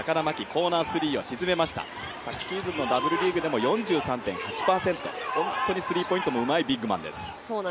高田昨シーズンのＷリーグでも４３．８％本当にスリーポイントもうまいビッグマンです。